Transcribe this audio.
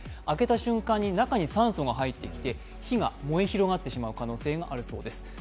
開けた瞬間に中に酸素が入ってきて火が燃え広がってしまう可能性があるそうです。